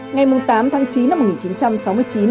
ngày tám tháng chín năm một nghìn chín trăm sáu mươi chín